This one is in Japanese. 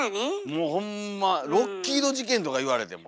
もうホンマロッキード事件とか言われても。